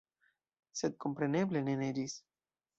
Sed kompreneble ne neĝis.